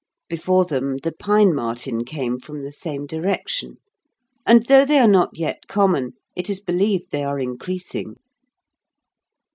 Before them the pine marten came from the same direction, and, though they are not yet common, it is believed they are increasing.